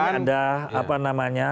ini ada apa namanya